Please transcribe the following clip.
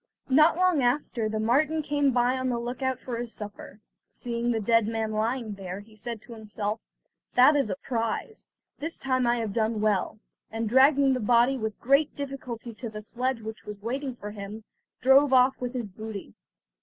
Not long after the marten came by on the look out for his supper. Seeing the dead man lying there, he said to himself: "That is a prize, this time I have done well"; and dragging the body with great difficulty to the sledge which was waiting for him, drove off with his booty.